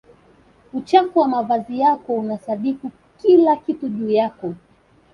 uchafu wa mavazi yako unasadifu kila kitu juu yako